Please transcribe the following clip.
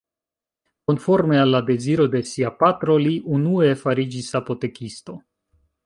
Konforme al la deziro de sia patro li unue fariĝis apotekisto.